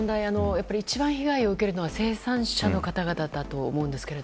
やっぱり一番被害を受けるのは生産者の方々だと思いますが。